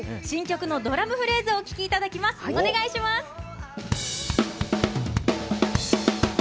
新曲のドラムフレーズをお聴きいただきます。